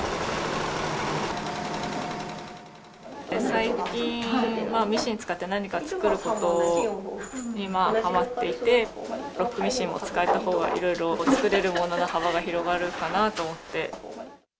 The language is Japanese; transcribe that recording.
最近は、ミシン使って何か作ることにはまっていて、ロックミシンも使えたほうが、いろいろ作れるものの幅が広がるかなと思って。